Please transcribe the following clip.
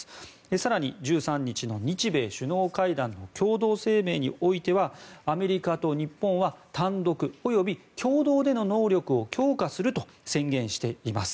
更に１３日の日米首脳会談の共同声明においてはアメリカと日本は単独及び共同での能力を強化すると宣言しています。